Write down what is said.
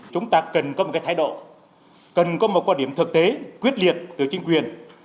chúng ta cần có một cái thái độ cần có một quan điểm thực tế quyết liệt từ chính quyền